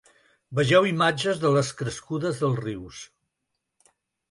Vegeu imatges de les crescudes dels rius.